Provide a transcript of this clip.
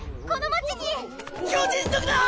巨人族だ！